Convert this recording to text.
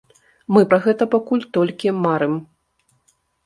Мы пра гэта пакуль толькі марым.